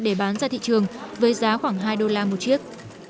để bán ra thị trường với giá khoảng hai đô la một chiếc